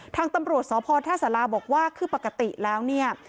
ทางตำรวจสพท่าสาราบอกว่าคือปกติแล้วเนี่ย